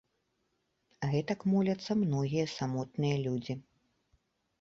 Гэтак моляцца многія самотныя людзі.